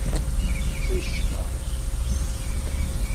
Wicqa.